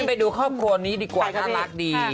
ไปดูครอบครัวนี้ดีกว่าน่ารักดี